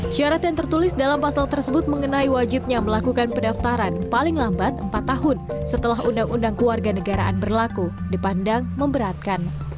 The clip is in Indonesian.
syarat yang tertulis dalam pasal tersebut mengenai wajibnya melakukan pendaftaran paling lambat empat tahun setelah undang undang keluarga negaraan berlaku dipandang memberatkan